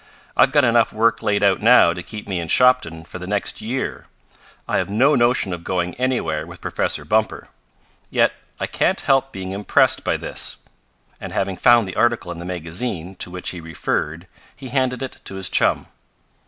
"I've got enough work laid out now to keep me in Shopton for the next year. I have no notion of going anywhere with Professor Bumper. Yet I can't help being impressed by this," and, having found the article in the magazine to which he referred, he handed it to his chum.